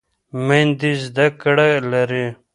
میندې زده کړه لري.